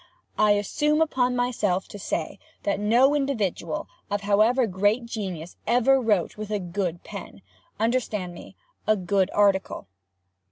I assume upon myself to say, that no individual, of however great genius ever wrote with a good pen—understand me,—a good article.